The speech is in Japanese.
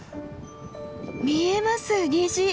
見えます虹！